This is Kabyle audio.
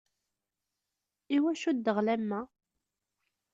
Iwacu ddɣel am wa?